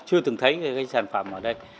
họ chưa từng thấy cái sản phẩm ở đây